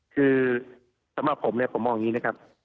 คือสำหรับผมเนี่ยผมมองอย่างนี้นะครับ